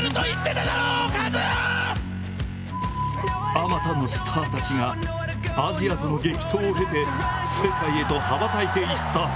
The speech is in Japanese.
あまたのスターたちがアジアとの激闘を経て、世界へと羽ばたいていった。